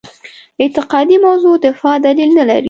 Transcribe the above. اعتقادي موضع دفاع دلیل نه لري.